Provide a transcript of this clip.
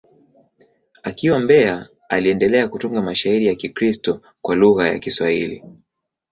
Akiwa Mbeya, aliendelea kutunga mashairi ya Kikristo kwa lugha ya Kiswahili.